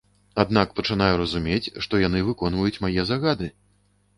Аднак пачынаю разумець, што яны выконваюць мае загады!